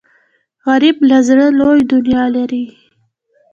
غریب له زړه لوی دنیا لري